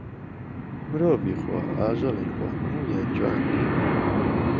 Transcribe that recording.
مرۆڤی خۆا، ئاژەڵی خوا، هەموویان جوان نین